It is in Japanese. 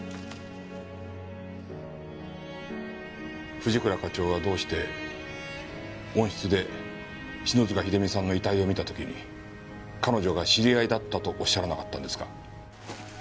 藤倉課長はどうして温室で篠塚秀実さんの遺体を見た時に彼女が知り合いだったとおっしゃらなかったんですか？